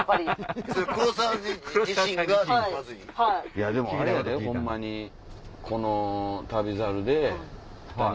いやでもあれやでホンマにこの『旅猿』で。